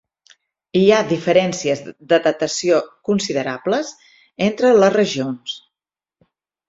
Hi ha diferències de datació considerables entre les regions.